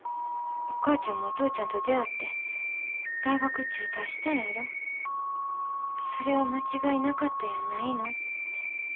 お母ちゃんもお父ちゃんと出会って大学中退したんやろそれは間違いなかったんやないのって。